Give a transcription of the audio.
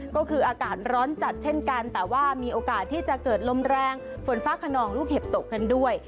ก็คืออากาศร้อนจัดเช่นกันแต่ว่ามีโอกาสที่จะเกิดลมแรงฝนฟ้าขนองลูกเห็บตกกันด้วย